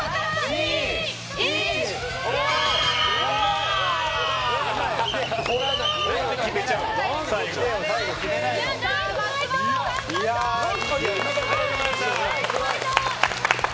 ナイスファイト！